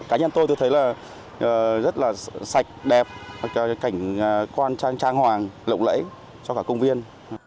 cá nhân tôi tôi thấy là rất là sạch đẹp cảnh quan trang hoàng lộng lẫy cho cả công viên